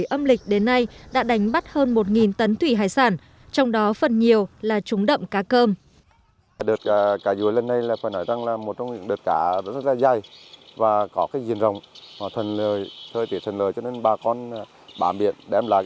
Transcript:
âm lịch đến nay đã đánh bắt hơn một tấn thủy hải sản trong đó phần nhiều là trúng đậm cá cơm